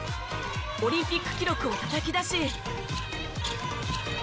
オリンピック記録をたたき出し。